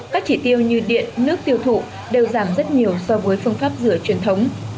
các chỉ tiêu như điện nước tiêu thụ đều giảm rất nhiều so với phương pháp rửa truyền thống